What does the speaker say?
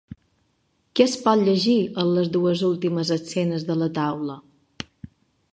Què es pot llegir en les dues últimes escenes de la taula?